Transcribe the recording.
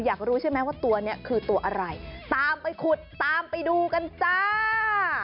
อยากรู้ใช่ไหมว่าตัวนี้คือตัวอะไรตามไปขุดตามไปดูกันจ้า